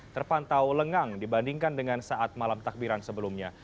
terpantau lengang dibandingkan dengan saat malam takbiran sebelumnya